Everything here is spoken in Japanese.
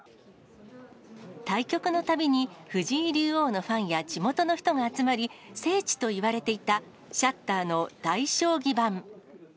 対局のたびに藤井竜王のファンや地元の人が集まり、聖地といわれていたシャッターの大将棋盤。